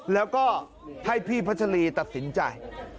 แล้วก็ให้พี่พัชรีตัดสินใจ